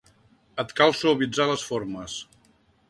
Et cal suavitzar les formes.